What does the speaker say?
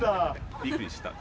びっくりしたか？